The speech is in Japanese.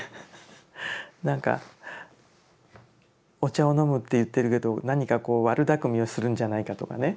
なんかお茶を飲むって言ってるけど何かこう悪だくみをするんじゃないかとかね。